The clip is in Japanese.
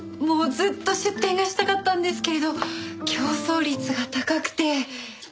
もうずっと出店がしたかったんですけれど競争率が高くて。